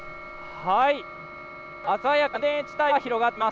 はい。